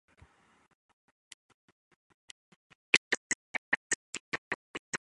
It shows his parents as Peter and Louisa.